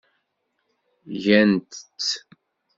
Gant-t.